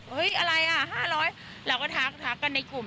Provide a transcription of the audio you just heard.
เธอก็ทำในสิ่งที่มันผิดกฎหมายดีกว่า